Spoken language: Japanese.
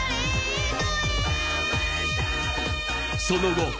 その後。